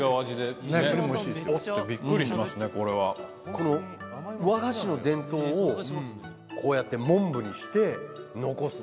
この和菓子の伝統をこうやってモンブにして残す。